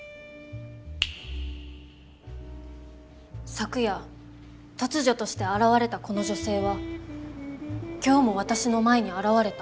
昨夜突如として現れたこの女性は今日も私の前に現れた。